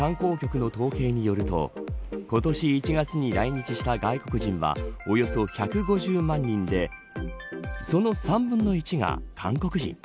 政府観光局の統計によると今年１月に来日した外国人はおよそ１５０万人でその３分の１が韓国人。